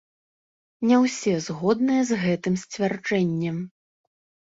Не ўсе згодныя з гэтым сцвярджэннем.